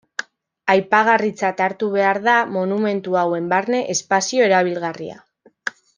Aipagarritzat hartu behar da monumentu hauen barne espazio erabilgarria.